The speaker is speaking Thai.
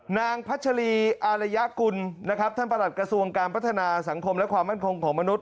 พัชรีอารยกุลนะครับท่านประหลัดกระทรวงการพัฒนาสังคมและความมั่นคงของมนุษย